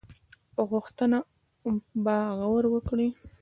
غوښتنو به غور وکړي.